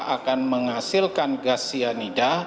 akan menghasilkan gas cyanida